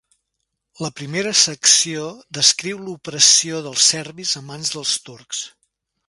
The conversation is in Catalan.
La primera secció descriu l'opressió dels serbis a mans dels turcs.